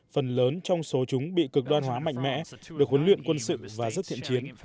phần lớn trong số chúng bị cực đoan hóa mạnh mẽ được huấn luyện quân sự và rất thiện chiến